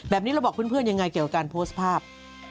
แบบนี้เราบอกเพื่อนยังไงเกี่ยวกับการโพสต์ภาพ